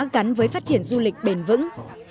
gắn với phát triển du lịch bền vững